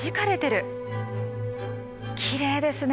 きれいですね！